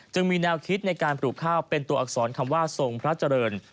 มีแนวคิดในการปลูกข้าวเป็นตัวอักษรคำว่าทรงพระเจริญ